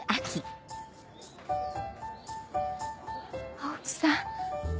青木さん。